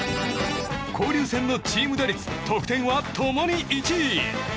交流戦のチーム打率、得点は共に１位。